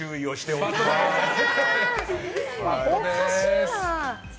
おかしいな。